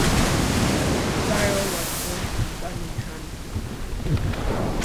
Burrell was born in Birmingham.